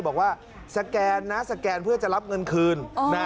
บอกว่าสแกนนะสแกนเพื่อจะรับเงินคืน